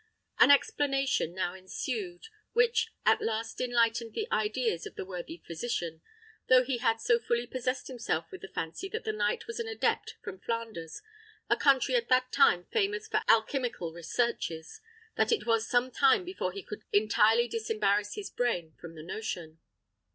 An explanation now ensued, which at last enlightened the ideas of the worthy physician, although he had so fully possessed himself with the fancy that the knight was an adept from Flanders, a country at that time famous for alchymical researches, that it was some time before he could entirely disembarrass his brain from the notion.